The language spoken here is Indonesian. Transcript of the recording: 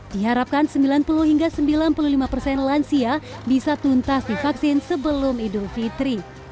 diharapkan sembilan puluh hingga sembilan puluh lima persen lansia bisa tuntas divaksin sebelum idul fitri